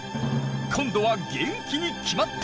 今度は元気に決まった！